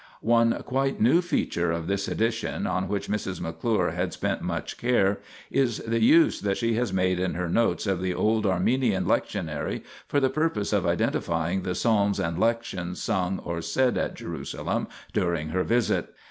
One quite new feature of this edition, on which Mrs. McClure had spent much care, is the use that she has made in her notes of the Old Armenian Lectionary for the purpose of identifying the psalms and lections sung or said at Jerusalem during her visit.